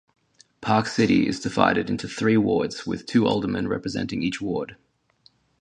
Park city is divided into three wards, with two aldermen representing each ward.